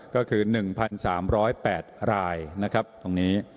ก็คือหนึ่งพันสามร้อยแปดรายนะครับตรงนี้